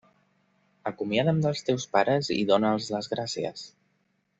Acomiada'm dels teus pares i dóna'ls les gràcies.